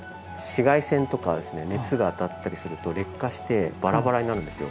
紫外線とか熱が当たったりすると劣化してバラバラになるんですよ